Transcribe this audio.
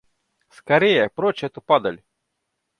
Скорее, прочь эту падаль!